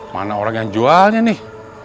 mana orang yang jualnya nih